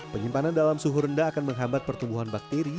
penyimpanan dalam suhu rendah akan menghambat pertumbuhan bakteri